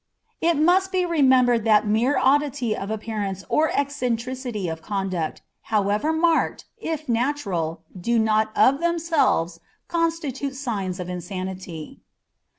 It must be remembered that mere oddity of appearance or eccentricity of conduct, however marked, if natural, do not of themselves constitute signs of insanity.